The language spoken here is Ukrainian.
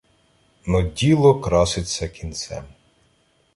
Но діло краситься кінцем!